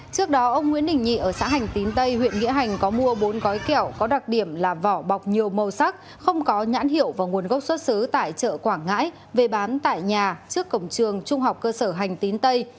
trước đó ông nguyễn đình nhị ở xã hành tín tây huyện nghĩa hành có mua bốn gói kẹo có đặc điểm là vỏ bọc nhiều màu sắc không có nhãn hiệu và nguồn gốc xuất xứ tại chợ quảng ngãi về bán tại nhà trước cổng trường trung học cơ sở hành tín tây